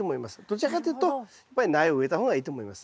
どちらかというと苗を植えた方がいいと思いますね。